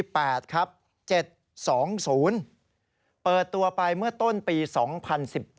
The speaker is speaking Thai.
เปิดตัวไปเมื่อต้นปี๒๐๑๘